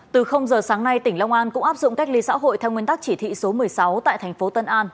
từ giờ sáng nay tỉnh long an cũng áp dụng cách ly xã hội theo nguyên tắc chỉ thị số một mươi sáu tại thành phố tân an